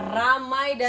ramai dan bersih